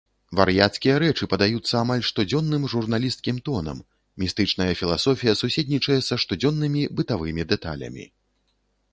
Вар'яцкія рэчы падаюцца амаль штодзённым журналісцкім тонам, містычная філасофія суседнічае са штодзённымі бытавымі дэталямі.